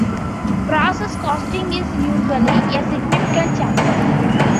Process costing is usually a significant chapter.